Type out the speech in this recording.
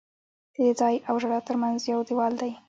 د دې ځای او ژړا ترمنځ یو دیوال دی.